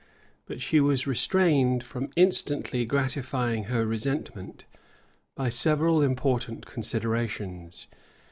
But she was restrained from instantly gratifying her resentment, by several important considerations.